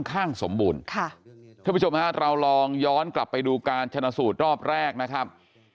ข้างสมบูรณ์เราลองย้อนกลับไปดูการชนะสูตรรอบแรกนะครับ